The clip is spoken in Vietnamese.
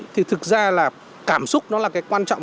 thì thực ra là cảm xúc nó là cái quan trọng